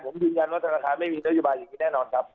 ผมยืนยันว่าธนาคารไม่มีนโยบายอย่างนี้แน่นอนครับ